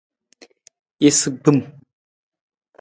Isagbim.